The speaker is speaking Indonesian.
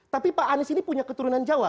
tapi pak anies ini punya keturunan jawa